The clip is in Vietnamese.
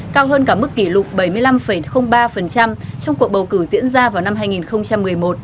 cao hơn cả mức kỷ lục bảy mươi năm ba trong cuộc bầu cử diễn ra vào năm hai nghìn một mươi một